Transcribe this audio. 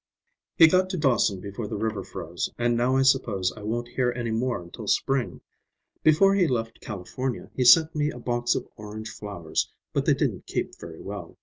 "He got to Dawson before the river froze, and now I suppose I won't hear any more until spring. Before he left California he sent me a box of orange flowers, but they didn't keep very well.